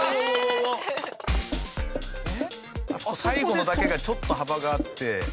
最後のだけがちょっと幅があって。